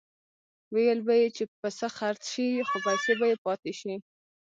ویل به یې چې پسه خرڅ شي خو پیسې به یې پاتې شي.